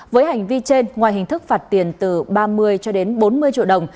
với hành vi trên ngoài hình thức phạt tiền từ ba mươi cho đến bốn mươi triệu đồng